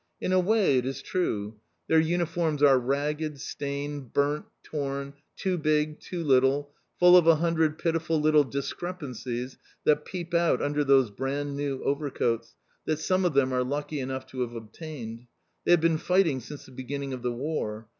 In a way, it is true! Their uniforms are ragged, stained, burnt, torn, too big, too little, full of a hundred pitiful little discrepancies that peep out under those brand new overcoats that some of them are lucky enough to have obtained. They have been fighting since the beginning of the War.